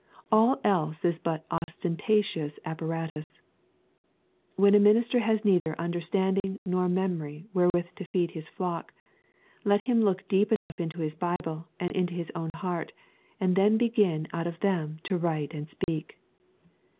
All else is but ostentatious apparatus. When a minister has neither understanding nor memory wherewith to feed his flock, let him look deep enough into his Bible and into his own heart, and then begin out of them to write and speak.